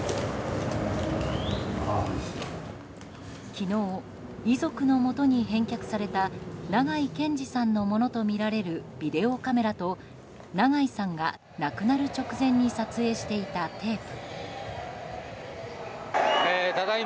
昨日、遺族のもとに返却された長井健司さんのものとみられるビデオカメラと長井さんが亡くなる直前に撮影していたテープ。